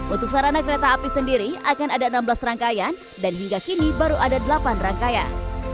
untuk sarana kereta api sendiri akan ada enam belas rangkaian dan hingga kini baru ada delapan rangkaian